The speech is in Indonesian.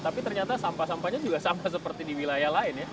tapi ternyata sampah sampahnya juga sama seperti di wilayah lain ya